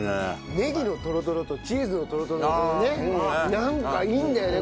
ねぎのとろとろとチーズのとろとろのこのねなんかいいんだよね